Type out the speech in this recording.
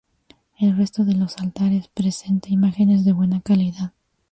El resto de los altares, presenta imágenes de buena calidad.